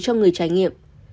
cho người trải nghiệm